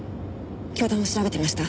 教団を調べていました。